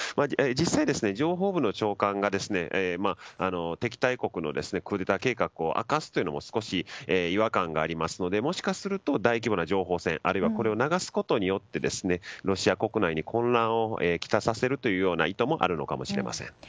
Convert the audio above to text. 実際、情報部の長官が敵対国のクーデター計画を明かすというのも違和感がありますのでもしかすると大規模な情報戦あるいはこれを流すことによってロシア国内に混乱をきたさせるという意図もあるのかもしれません。